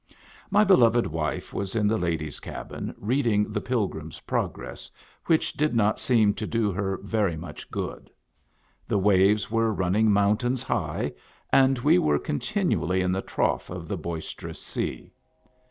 My beloved wife was in the ladies' cabin, reading the Pilgrim's Progress, which did not seem to do her very much good. The waves were running mountains high, and we were continu ally in the trough of the boisterous sea.